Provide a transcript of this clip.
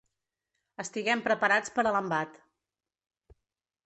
Estiguem preparats per a l’embat.